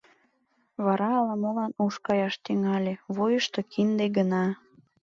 Вара ала-молан уш каяш тӱҥале, вуйышто кинде гына.